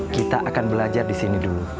kita akan belajar di sini dulu